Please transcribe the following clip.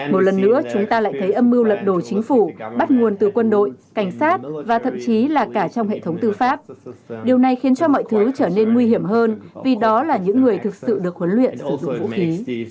một lần nữa chúng ta lại thấy âm mưu lật đổ chính phủ bắt nguồn từ quân đội cảnh sát và thậm chí là cả trong hệ thống tư pháp điều này khiến cho mọi thứ trở nên nguy hiểm hơn vì đó là những người thực sự được huấn luyện sử dụng vũ khí